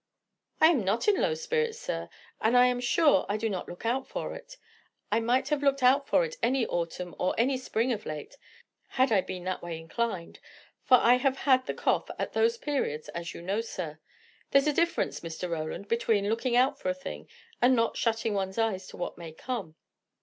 "I am not in low spirits, sir; and I am sure I do not look out for it. I might have looked out for it any autumn or any spring of late, had I been that way inclined, for I have had the cough at those periods, as you know, sir. There's a difference, Mr. Roland, between looking out for a thing, and not shutting one's eyes to what may come."